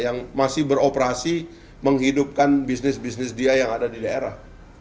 yang masih beroperasi menghidupkan bisnis bisnis dia yang ada di daerah